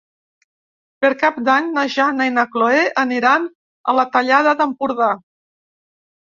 Per Cap d'Any na Jana i na Chloé aniran a la Tallada d'Empordà.